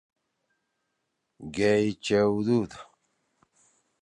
ئی چیِؤدُود۔